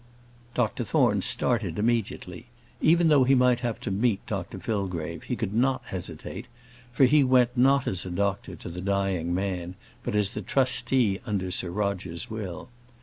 Dr Thorne started immediately. Even though he might have to meet Dr Fillgrave, he could not hesitate, for he went not as a doctor to the dying man, but as the trustee under Sir Roger's will.